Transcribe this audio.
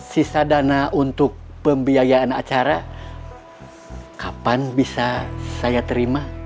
sisa dana untuk pembiayaan acara kapan bisa saya terima